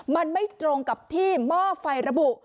มันไม่ตรงกับที่หม้อไฟระบุ